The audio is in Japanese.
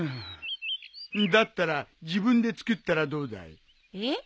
だったら自分で作ったらどうだい？え？